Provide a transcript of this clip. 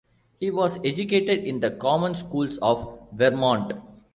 He was educated in the common schools of Vermont.